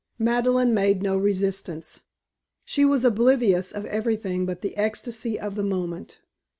Madeleine made no resistance. She was oblivious of everything but the ecstasy of the moment.